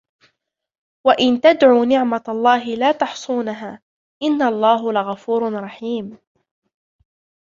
وإن تعدوا نعمة الله لا تحصوها إن الله لغفور رحيم